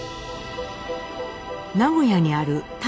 名古屋にある舘